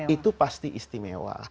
itu pasti istimewa